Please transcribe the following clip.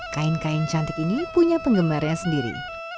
kain kain cantik ini punya penggemarnya sendiri